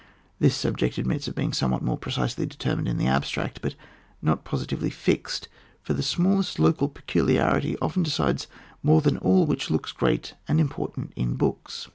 This subject admits of being somewhat more precisely deter mined in the abstract, but not positively fixed, for the very smallest local pecu liarity often decides more than all which looks great and important in books.